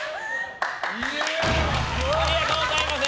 ありがとうございます。